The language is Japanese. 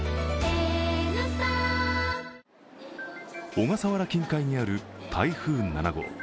小笠原近海にある台風７号。